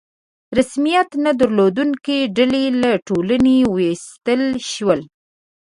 رسمیت نه درلودونکي ډلې له ټولنې ویستل شول.